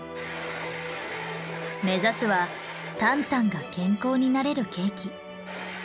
目指すはタンタンが健康になれるケーキ。